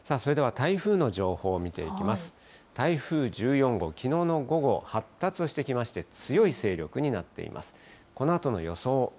台風１４号、きのうの午後、発達してきまして、強い勢力になっています。